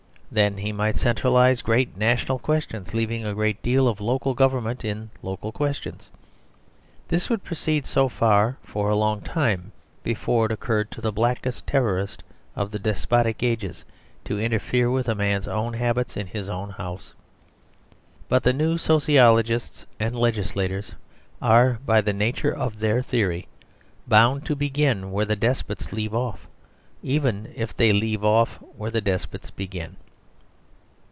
Then he might centralise great national questions, leaving a great deal of local government in local questions. This would proceed so for a long time before it occurred to the blackest terrorist of the despotic ages to interfere with a man's own habits in his own house. But the new sociologists and legislators are, by the nature of their theory, bound to begin where the despots leave off, even if they leave off where the despots begin.